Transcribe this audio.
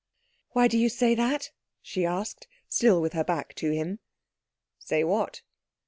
"Why do you say that?" she asked, still with her back to him. "Say what?"